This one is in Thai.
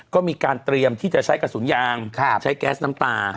ก็มีการเตรียมที่จะใช้กระสุนยางใช้แก๊สน้ำตา